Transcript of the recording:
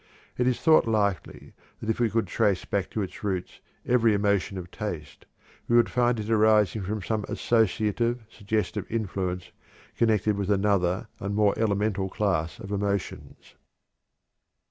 It is thought likely that if we could trace back to its roots every emotion of taste, we would find it arising from some associative, suggestive influence connected with another and more elemental class of emotions.